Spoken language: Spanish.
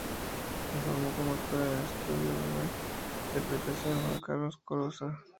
Se formó como actor en el Estudio de Interpretación de Juan Carlos Corazza.